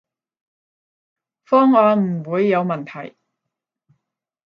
方案唔會有問題